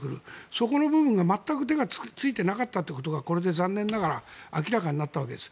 そこの部分が全く手がついていなかったということがこれで残念ながら明らかになったわけです。